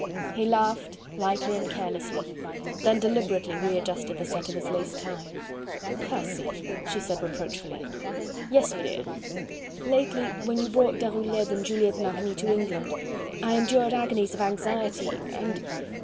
He laughed lightly and carelessly, then deliberately readjusted the set of his lace tie. "Percy!" she said reproachfully. "Yes, m'dear." "Lately when you brought Deroulede and Juliette Marny to England... I endured agonies of anxiety... and..."